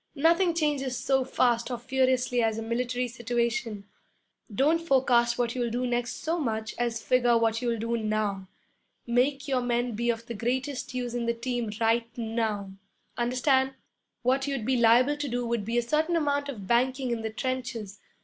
Nothing changes so fast or furiously as a military situation. Don't forecast what you'll do next so much as figure what you'll do now. Make your men be of the greatest use in the team right now understand? What you'd be liable to do would be a certain amount of banking in the trenches.